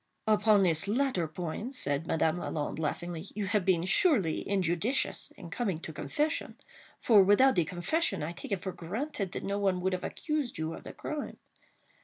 "Upon this latter point," said Madame Lalande, laughingly, "you have been surely injudicious in coming to confession; for, without the confession, I take it for granted that no one would have accused you of the crime.